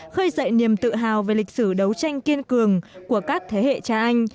khơi dậy niềm tự hào về lịch sử đấu tranh kiên cường của các thế hệ cha anh